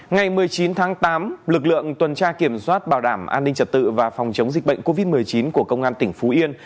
ngày một mươi chín tháng tám lực lượng tuần tra kiểm soát bảo đảm an ninh trật tự và phòng chống dịch bệnh covid một mươi chín của công an tỉnh phú yên